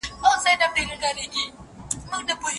اوس متقابل محبت ژر کميږي.